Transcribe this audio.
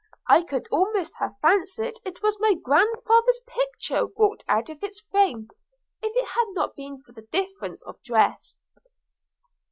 I could almost have fancied it was my grandfather's picture walked out of its frame, if it had not been for the difference of dress!'